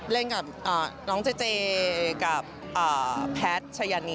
เล่นกับน้องเจเจกับแพทย์ชายานี